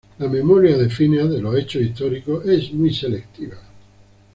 La memoria de Phineas de los hechos históricos es muy selectiva.